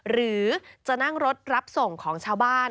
หรือจะนั่งรถรับส่งของชาวบ้าน